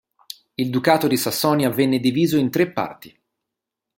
Il Ducato di Sassonia venne diviso in tre parti.